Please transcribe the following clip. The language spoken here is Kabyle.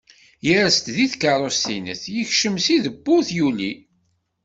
Yers-d si tkerrust-ines yekcem si tewwurt, yuli.